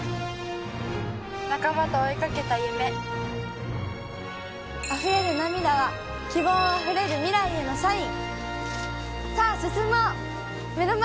仲間と追いかけた夢、あふれる涙は希望溢れる、未来へのサイン。